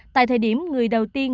tại thời điểm người đầu tiên